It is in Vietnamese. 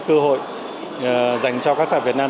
cơ hội dành cho các sản việt nam